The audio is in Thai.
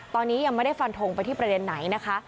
ตอนนี้ยังไม่ได้ฟันทงไปที่ประเด็นไหนนะคะ